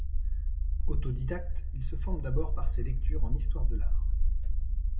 Autodidacte, il se forme d’abord par ses lectures en histoire de l’art.